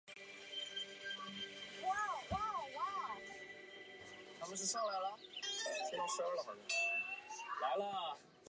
普奈勒斯蒂大道向东通往古代城市从该城向东南延伸。